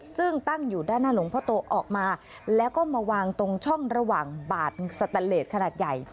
ซึ่งตั้งอยู่ด้านหน้าหลวงพ่อโตออกมาแล้วก็มาวางตรงช่องระหว่างบาดสแตนเลสขนาดใหญ่